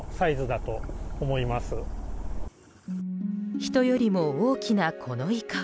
人よりも大きなこのイカは。